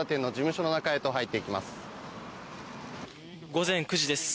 午前９時です。